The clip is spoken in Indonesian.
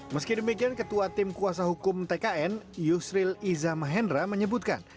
meski demikian ketua tim kuasa hukum tkn yusril iza mahendra menyebutkan